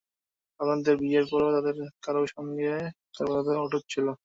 আপনাদের বিয়ের পরও তাঁদের কারও কারও সঙ্গে তাঁর বন্ধুত্ব অটুট ছিল।